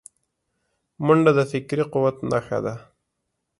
منډه د فکري قوت نښه ده